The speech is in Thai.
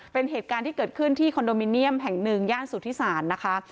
เป็นเหตุการณ์ที่เกิดขึ้นที่คอนโดมิเนียมแห่งหนึ่งย่านสุธิศาลนะคะ